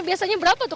biasanya berapa tuh